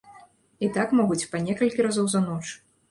І так могуць па некалькі разоў за ноч.